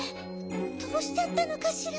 どうしちゃったのかしら？